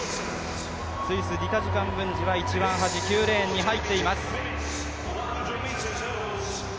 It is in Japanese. スイス、ディタジ・カンブンジは一番はじ、９レーンに入ってます。